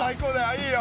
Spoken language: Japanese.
いいよ。